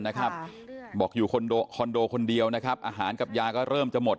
บอกว่าอยู่คอนโดคนเดียวอาหารกับยาก็เริ่มจะหมด